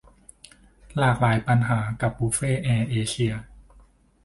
หลากหลายปัญหา กับ บุฟเฟ่ต์แอร์เอเชีย